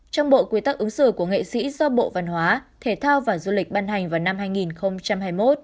trong bộ quy tắc ứng xử của nghệ sĩ do bộ văn hóa thể thao và du lịch ban hành vào năm hai nghìn hai mươi một